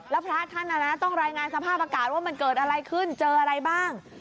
แล้วพระท่านต้องรายงานสภาพอากาศว่ามันเกิดอะไรขึ้นเจออะไรบ้าง